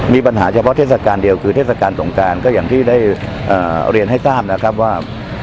มีปัญหาเฉพาะเทศกาลเดียวคือเทศกาลสงการก็อย่างที่ได้เรียนให้ทราบนะครับว่า